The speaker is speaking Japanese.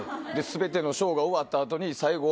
全てのショーが終わった後に最後。